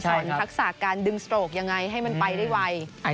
ทักษะการดึงสโตรกยังไงให้มันไปได้ไว